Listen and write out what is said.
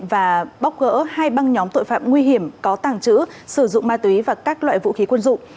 và bóc gỡ hai băng nhóm tội phạm nguy hiểm có tàng trữ sử dụng ma túy và các loại vũ khí quân dụng